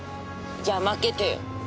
じゃあまけてよ！